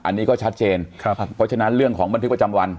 อันนี้ก็ชัดเจนเพราะฉะนั้นเรื่องของบันทึกประจำวัน